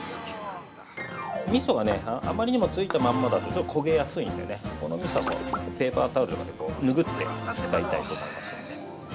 ◆みそがね、あまりにもついたまんまだとちょっと焦げやすいんでね、このみそは、もうペーパータオルとかで拭って使いたいと思いますんで。